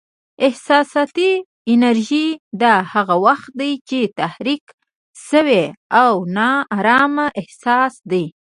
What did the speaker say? احساساتي انرژي: دا هغه وخت دی چې تحریک شوی او نا ارامه احساس دی.